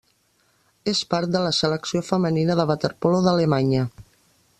És part de la Selecció femenina de waterpolo d'Alemanya.